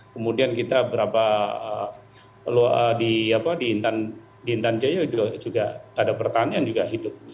kemudian kita beberapa di intan jaya juga ada pertanian juga hidup